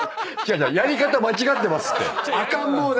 やり方間違ってますって。